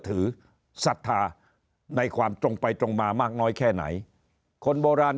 ศรัทธาในความตรงไปตรงมามากน้อยแค่ไหนคนโบราณ